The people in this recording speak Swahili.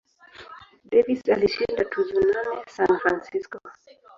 Davis alishinda tuzo nane San Francisco.